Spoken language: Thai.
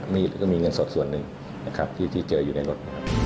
มีแล้วก็มีเงินสดส่วนหนึ่งที่เจออยู่ในรถ